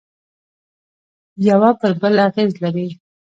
یوه پر بل اغېز لري